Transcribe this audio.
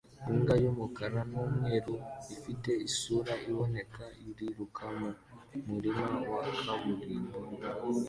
Imbwa y'umukara n'umweru ifite isura iboneka iriruka mu murima wa kaburimbo